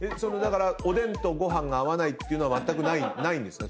おでんとご飯が合わないっていうのはまったくないんですか？